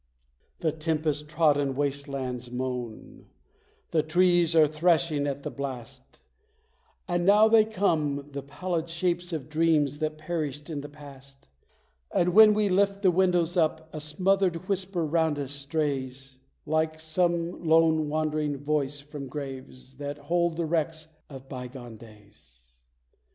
The tempest trodden wastelands moan the trees are threshing at the blast; And now they come, the pallid shapes of Dreams that perished in the past; And, when we lift the windows up, a smothered whisper round us strays, Like some lone wandering voice from graves that hold the wrecks of bygone days.